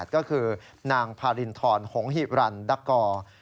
ก็คือนางพารินทรหงหิรันดักกอร์